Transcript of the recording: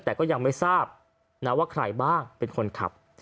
แต่ก็ยังไม่ทราบนะว่าใครบ้างเป็นคนขับ